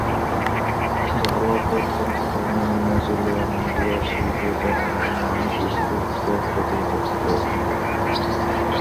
ঘরোয়া প্রথম-শ্রেণীর নিউজিল্যান্ডীয় ক্রিকেটে নর্দার্ন ডিস্ট্রিক্টসের প্রতিনিধিত্ব করেছেন তিনি।